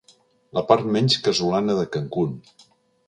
La part menys casolana de Cancún.